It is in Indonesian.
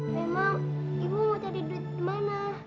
memang ibu mau cari duit kemana